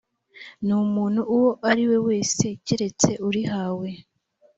n umuntu uwo ari we wese keretse urihawe